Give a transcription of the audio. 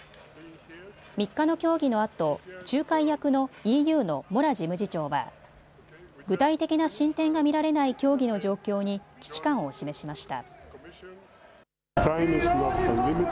３日の協議のあと仲介役のＥＵのモラ事務次長は具体的な進展が見られない協議の状況に危機感を示しました。